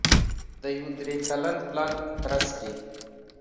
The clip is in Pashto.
د یوه درې کلن پلان په ترڅ کې